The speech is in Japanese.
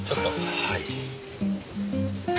はい。